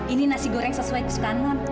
ini nasi goreng sesuai kesukaan